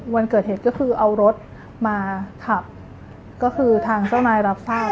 วันเกิดเหตุก็คือเอารถมาขับก็คือทางเจ้านายรับทราบ